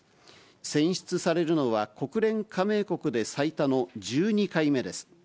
選出されるのは、国連加盟国で最多の１２回目です。